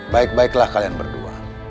baik baiklah kalian berdua